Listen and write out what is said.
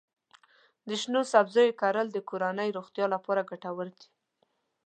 د شنو سبزیو کرل د کورنۍ د روغتیا لپاره ګټور دي.